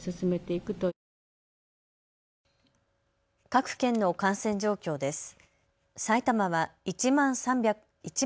各県の感染状況です。